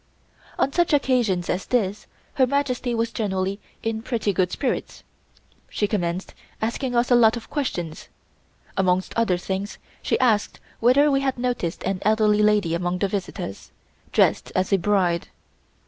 On such occasions as this Her Majesty was generally in pretty good spirits. She commenced asking us a lot of questions. Amongst other things she asked whether we had noticed an elderly lady among the visitors, dressed as a bride.